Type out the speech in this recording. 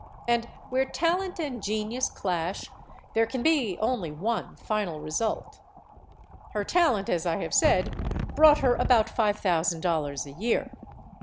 And where talent and genius clash, there can be only one final result. Her talent, as I have said, brought her about five thousand dollars a year.